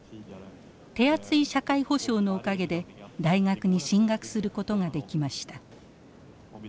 手厚い社会保障のおかげで大学に進学することができました。